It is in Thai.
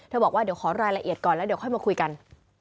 บอกว่าเดี๋ยวขอรายละเอียดก่อนแล้วเดี๋ยวค่อยมาคุยกัน